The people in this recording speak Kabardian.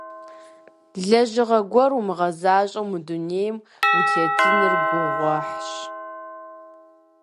Лэжьыгъэ гуэр умыгъэзащӀэу мы дунейм утетыныр гугъуехьщ.